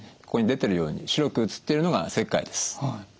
ここに出てるように白く写っているのが石灰です。